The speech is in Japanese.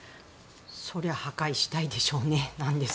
そりゃ破壊したいでしょうねなんです。